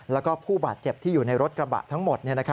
แล้วก็ผู้บาดเจ็บที่อยู่ในรถกระบะทั้งหมด